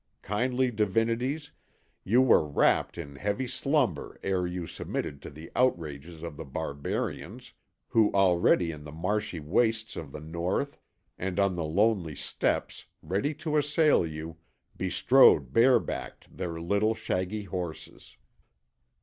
kindly divinities, you were wrapt in heavy slumber ere you submitted to the outrages of the barbarians, who already in the marshy wastes of the North and on the lonely steppes, ready to assail you, bestrode bare backed their little shaggy horses.